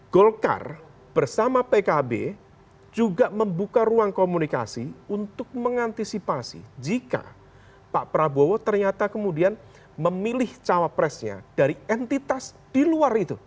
golkar bersama pkb juga membuka ruang komunikasi untuk mengantisipasi jika pak prabowo ternyata kemudian memilih cawapresnya dari entitas di luar itu